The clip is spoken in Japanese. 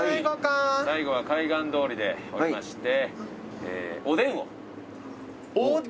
最後は海岸通りで降りましておでんを食べましょう。